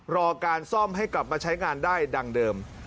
รอการซ่อมให้กลับมาใช้งานได้ดังเดิม